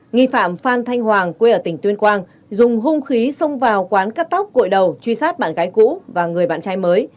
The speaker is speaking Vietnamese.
nghi phạm phan thanh hoàng quê ở tỉnh tuyên quang dùng hung khí xông vào quán cắt tóc cội đầu truy sát bạn gái cũ và người bạn trai mới